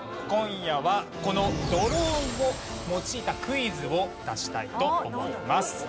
今夜はこのドローンを用いたクイズを出したいと思います。